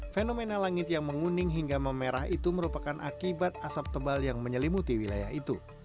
fenomena langit yang menguning hingga memerah itu merupakan akibat asap tebal yang menyelimuti wilayah itu